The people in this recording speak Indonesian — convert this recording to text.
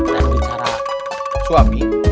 dan bicara suami